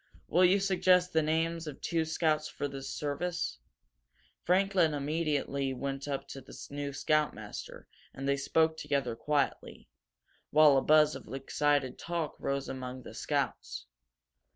Will you suggest the names of two scouts for this service?" Franklin immediately went up to the new scoutmaster, and they spoke together quietly, while a buzz of excited talk rose among the scouts.